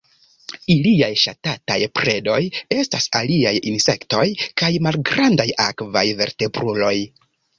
Iliaj ŝatataj predoj estas aliaj insektoj kaj malgrandaj akvaj vertebruloj.